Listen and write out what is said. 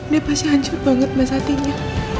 dia pasti hancur banget mas hatinya